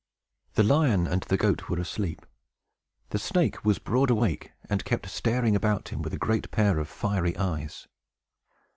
The lion and the goat were asleep; the snake was broad awake, and kept staring around him with a great pair of fiery eyes.